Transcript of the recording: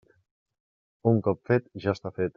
Un cop fet, ja està fet.